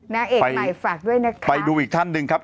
นางเอกใหม่ฝากด้วยนะครับ